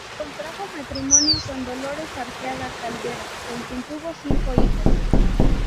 Contrajo matrimonio con Dolores Arteaga Caldera, con quien tuvo cinco hijos.